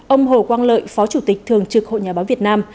ông hồ quang lợi phó chủ tịch thường trực hội nhà báo việt nam